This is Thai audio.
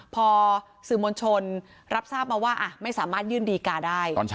พอสื่อมวลชนรับทราบมาว่าไม่สามารถยื่นดีการ์ได้